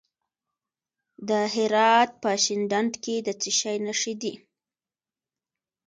د هرات په شینډنډ کې د څه شي نښې دي؟